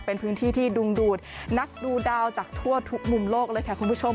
เป็นพื้นที่ที่ดุงดูดนักดูดาวจากทั่วทุกมุมโลกเลยค่ะคุณผู้ชม